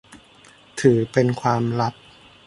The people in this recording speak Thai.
ถือเป็นความลับ